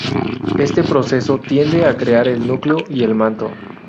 Este proceso tiende a crear el núcleo y el manto.